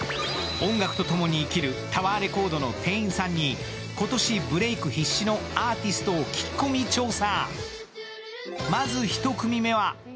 音楽と共に生きるタワーレコードの店員さんに今年ブレーク必至のアーティストを聞き込み調査。